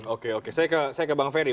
oke oke saya ke bang ferry